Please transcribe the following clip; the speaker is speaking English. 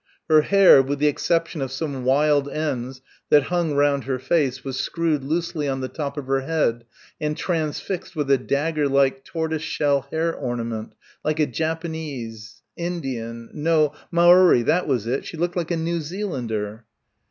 Her hair, with the exception of some wild ends that hung round her face was screwed loosely on the top of her head and transfixed with a dagger like tortoise shell hair ornament like a Japanese Indian no, Maori that was it, she looked like a New Zealander.